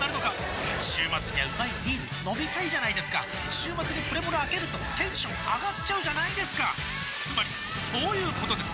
週末にはうまいビール飲みたいじゃないですか週末にプレモルあけるとテンション上がっちゃうじゃないですかつまりそういうことです！